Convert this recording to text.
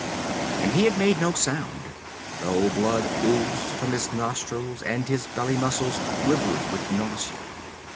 And he had made no sound, though blood oozed from his nostrils and his belly muscles quivered with nausea.